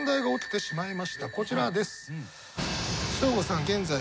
こちらです。